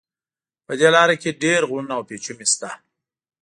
په دې لاره کې ډېر غرونه او پېچومي شته.